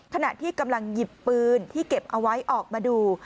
ขณะที่กำลังหยิบปืนที่เก็บเอาไว้ออกมาดู